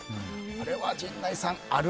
これは陣内さん